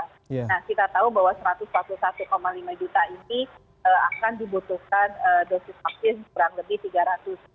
nah kita tahu bahwa satu ratus empat puluh satu lima juta ini akan dibutuhkan dosis vaksin kurang lebih tiga ratus